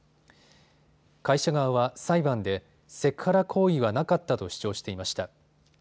会社側は裁判でセクハラ行為はなかったと主張していました。